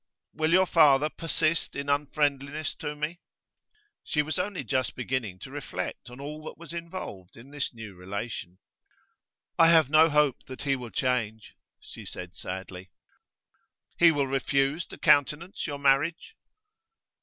'Will your father persist in unfriendliness to me?' She was only just beginning to reflect on all that was involved in this new relation. 'I have no hope that he will change,' she said sadly. 'He will refuse to countenance your marriage?